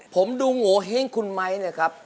ผมดูโงเห้งคุณไม้นะครับ